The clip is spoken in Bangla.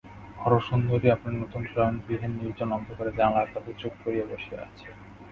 হরসুন্দরী আপনার নূতন শয়নগৃহের নির্জন অন্ধকারে জানলার কাছে চুপ করিয়া বসিয়া আছে।